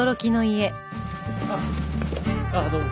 あっああどうも。